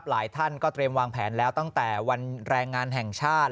หลายท่านก็เตรียมวางแผนแล้วตั้งแต่วันแรงงานแห่งชาติ